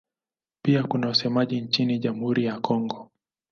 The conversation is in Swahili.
Pia kuna wasemaji nchini Jamhuri ya Kongo.